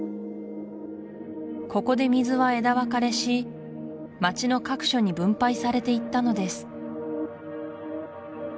ここで水は枝分かれし街の各所に分配されていったのです